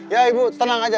ya ibu tenang aja